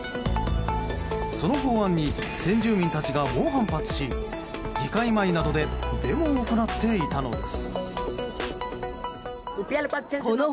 その法案に先住民たちが猛反発し議会前などでデモを行っていたのです。